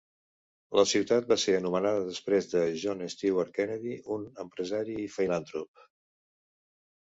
La ciutat va ser anomenada després de John Stewart Kennedy, un empresari i filantrop.